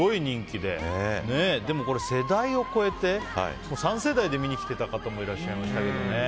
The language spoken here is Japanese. でも、世代を超えて３世代で見に来てた方もいらっしゃいましたけどね。